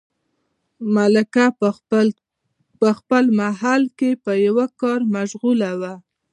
ملکه په خپل محل کې په یوه کار مشغوله وه.